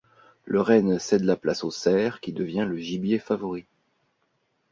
Le renne cède la place au cerf, qui devient le gibier favori.